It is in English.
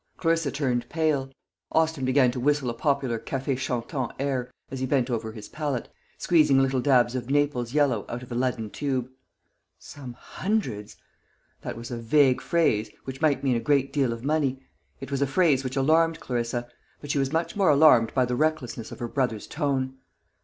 Clarissa turned pale. Austin began to whistle a popular café chantant air, as he bent over his palette, squeezing little dabs of Naples yellow out of a leaden tube. Some hundreds! that was a vague phrase, which might mean a great deal of money; it was a phrase which alarmed Clarissa; but she was much more alarmed by the recklessness of her brother's tone.